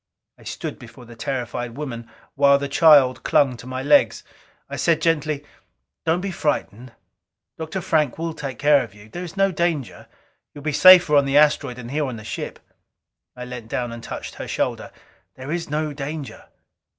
I stood before the terrified woman while the child clung to my legs. I said gently, "Don't be so frightened. Dr. Frank will take care of you. There is no danger; you will be safer on the asteroid than here on the ship." I leaned down and touched her shoulder. "There is no danger."